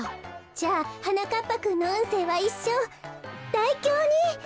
じゃあはなかっぱくんのうんせいはいっしょう大凶に。